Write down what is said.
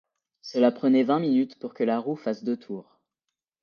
Cela prenait vingt minutes pour que la roue fasse deux tours.